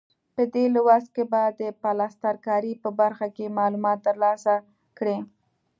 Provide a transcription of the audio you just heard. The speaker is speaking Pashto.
په دې لوست کې به د پلستر کارۍ په برخه کې معلومات ترلاسه کړئ.